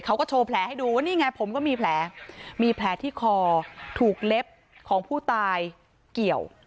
เขาก็โชว์แผลให้ดูว่านี่ไงผมก็มีแผลมีแผลที่คอถูกเล็บของผู้ตายเกี่ยว